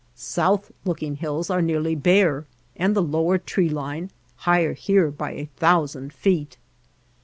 South looking hills are nearly bare, and the lower tree line higher here by a thousand feet.